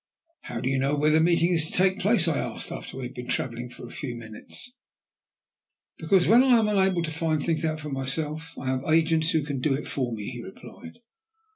"How do you know where the meeting is to take place?" I asked, after we had been travelling a few minutes. "Because, when I am unable to find things out for myself, I have agents who can do it for me," he replied.